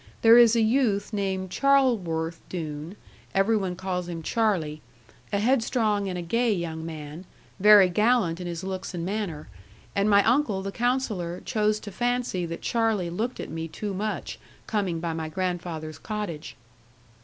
There is a youth named Charleworth Doone, every one calls him "Charlie"; a headstrong and a gay young man, very gallant in his looks and manner; and my uncle, the Counsellor, chose to fancy that Charlie looked at me too much, coming by my grandfather's cottage.'